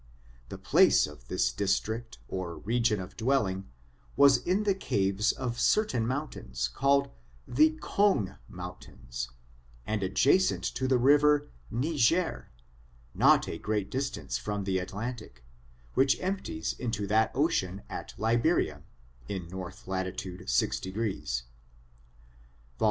The y/ '>. I 200 ORIGIN, CHARACTER, AND place of his district or region of dwelling, was in the caves of certain mountains, called the Kong mounr iains^ and adjacent to the river Niger, not a great dis tance from the Atlantic, which empties into that ocean at Liberia, in north lat 6^. Vol.